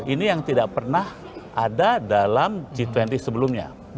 ini yang tidak pernah ada dalam g dua puluh sebelumnya